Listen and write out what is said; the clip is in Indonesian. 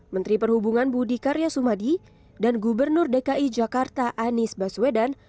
menteri perhubungan budi karya sumadi dan gubernur dki jakarta anies baswedan